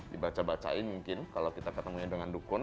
dibaca bacain mungkin kalau kita ketemunya dengan dukun